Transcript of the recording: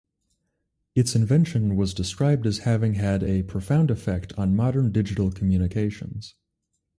Its invention was described as having had "a profound effect on modern digital communications".